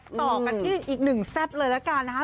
ต่อกันที่อีกหนึ่งแซ่บเลยละกันนะคะ